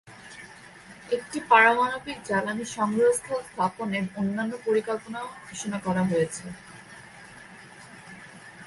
একটি পারমাণবিক জ্বালানি সংগ্রহস্থল স্থাপনের অন্যান্য পরিকল্পনাও ঘোষণা করা হয়েছে।